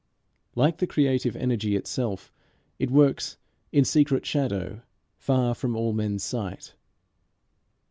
Like the creative energy itself, it works "in secret shadow, far from all men's sight."